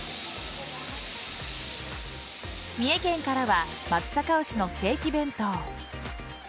三重県からは松阪牛のステーキ弁当。